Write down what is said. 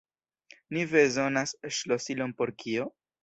Ni bezonas ŝlosilon por kio?